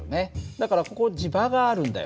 だからここ磁場があるんだよ。